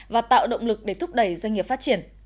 và tạo động lực để thúc đẩy doanh nghiệp phát triển